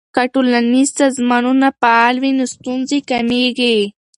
که ټولنیز سازمانونه فعال وي نو ستونزې کمیږي.